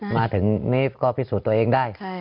มาถึงนี้ก็พิสูจน์ตัวเองได้